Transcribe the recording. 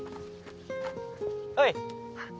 おい。